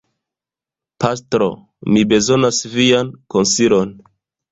Pastro, mi bezonas vian konsilon.